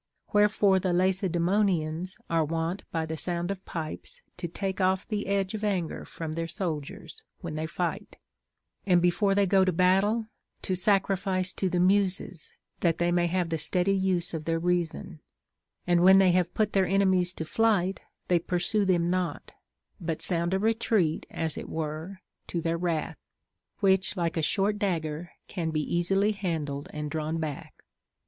Where fore the Lacedaemonians are wont by the sounding of pipes to take off the edge of anger from their soldiers, when they fight ; and before they go to battle, to sacrifice to the Muses, that they may have the steady use of their reason ; and when they have put their enemies to flight, they pursue them not, but sound a retreat (as it were) to their wrath, which, like a short dagger, can easily be han dled and drawn back.